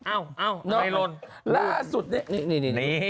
อ้าวล่าสุดนี้นี่